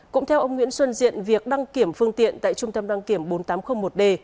cũng theo ông nguyễn xuân diện việc đăng kiểm phương tiện tại trung tâm đăng kiểm bốn nghìn tám trăm linh một d